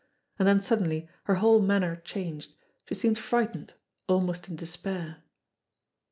And then suddenly her whole manner changed ; she seemed frightened, almost in despair.